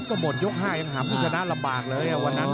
ก็หมดยก๕ยังหาผู้ชนะลำบากเลยวันนั้น